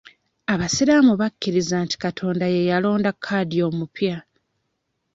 Abasiraamu bakkiriza nti Katonda ye yalonda Kadhi omupya.